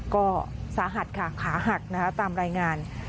ก็สาหัสค่ะขาหักนะคะตามรายงาน